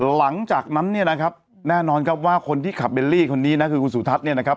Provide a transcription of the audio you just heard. หลังจากนั้นเนี่ยนะครับแน่นอนครับว่าคนที่ขับเบลลี่คนนี้นะคือคุณสุทัศน์เนี่ยนะครับ